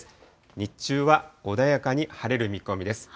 日中は穏やかに晴れる見込みです。